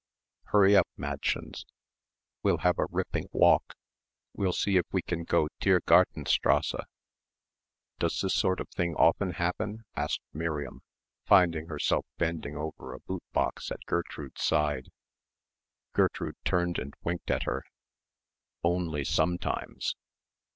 "Hurry up, mädshuns, we'll have a ripping walk. We'll see if we can go Tiergartenstrasse." "Does this sort of thing often happen?" asked Miriam, finding herself bending over a boot box at Gertrude's side. Gertrude turned and winked at her. "Only sometimes."